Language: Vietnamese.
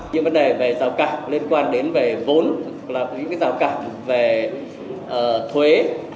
những vấn đề về rào cản liên quan đến về vốn là những cái rào cản về thuế